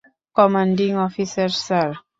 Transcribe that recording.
Commanding officer, sir.